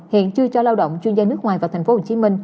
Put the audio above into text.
hiện chưa cho lao động chuyên gia nước ngoài vào tp hcm